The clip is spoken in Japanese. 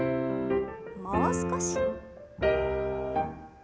もう少し。